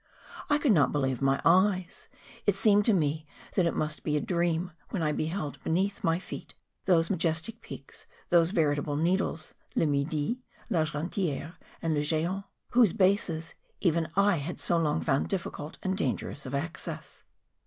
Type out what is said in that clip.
I could not believe m}^ eyes; it seemed to me that it must be a dream when I beheld beneath my feet those majestic peaks, those veritable needles, Le ]Midi, I'Argentiere, and Le Geant, whose bases even I had so long*found difficult and dangerous of access.